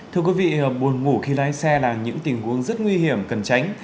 thưa quý vị buồn ngủ khi lái xe là những tình huống rất nguy hiểm cần tránh